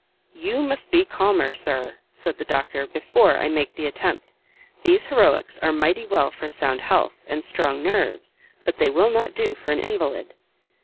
"You must be calmer, Sir," said the Doctor, "before I make the attempt. These heroicks are mighty well for sound health, and strong nerves, but they will not do for an invalide."